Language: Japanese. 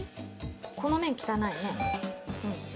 この面、汚いね。